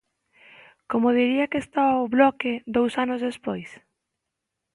Como diría que está o Bloque dous anos despois?